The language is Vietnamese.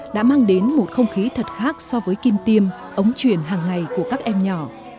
đã mang đến một không khí thật khác so với kim tiêm ống truyền hàng ngày của các em nhỏ